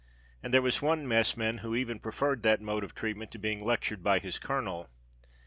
And there was one messman who even preferred that mode of treatment to being lectured by his colonel.